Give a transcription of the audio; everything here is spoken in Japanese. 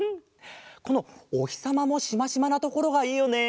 このおひさまもしましまなところがいいよね。